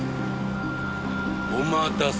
お待たせ。